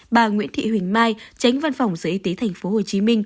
bà nguyễn thị huỳnh mai tránh văn phòng sở y tế tp hcm